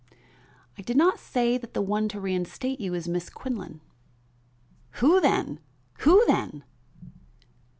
"I did not say that the one to reinstate you was Miss Quinlan." "Who then? who then?"